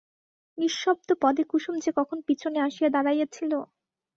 নিঃশব্দ পদে কুসুম যে কখন পিছনে আসিয়া দাড়াইয়াছিল!